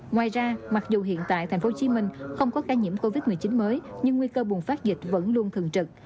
ngoài ra mặc dù hiện tại thành phố hồ chí minh không có ca nhiễm covid một mươi chín mới nhưng nguy cơ bùng phát dịch vẫn luôn thường trực